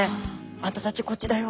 「あんたたちこっちだよ」